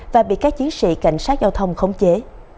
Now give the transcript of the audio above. và bị các chiến sĩ cảnh sát giao thông khống chế